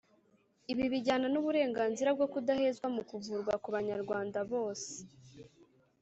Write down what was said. ibi bijyana n’uburenganzira bwo kudahezwa mu kuvurwa ku banyarwanda bose.